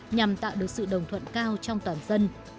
nhằm tạo được sự đồng thuận cao trong toàn dân